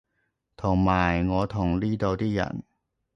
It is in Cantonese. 同埋我同呢度啲人